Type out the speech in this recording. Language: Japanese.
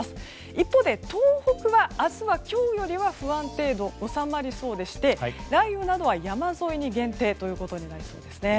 一方で東北は明日は今日よりは不安定度、収まりそうでして雷雨などは山沿いに限定ということになりそうです。